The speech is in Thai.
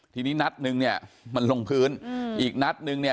ทีนี้นัดนึงเนี่ยมันลงพื้นอืมอีกนัดนึงเนี่ย